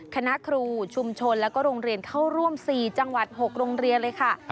คณะครูชุมชนแล้วก็โรงเรียนเข้าร่วม๔จังหวัด๖โรงเรียนเลยค่ะ